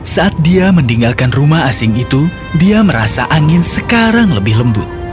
saat dia meninggalkan rumah asing itu dia merasa angin sekarang lebih lembut